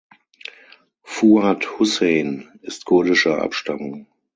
Fuad Hussein ist kurdischer Abstammung.